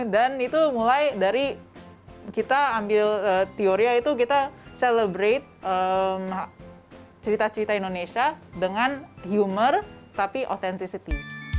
dan itu mulai dari kita ambil teoria itu kita celebrate cerita cerita indonesia dengan humor tapi authenticity